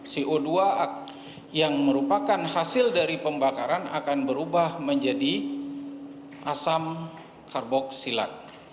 co dua yang merupakan hasil dari pembakaran akan berubah menjadi asam karboksilat